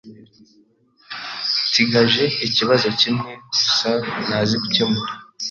Nsigaje ikibazo kimwe gusa ntazi gukemura.